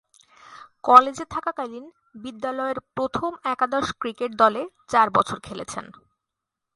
কলেজে থাকাকালীন বিদ্যালয়ের প্রথম একাদশ ক্রিকেট দলে চার বছর খেলেছেন।